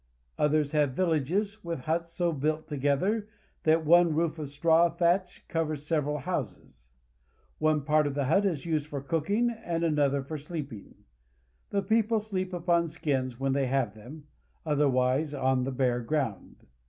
Others have villages with huts so built together that one roof of straw thatch covers several Indian Family. houses. One part of the hut is used for cooking and another for sleeping. The people sleep upon skins when they have them, otherwise on the bare ground.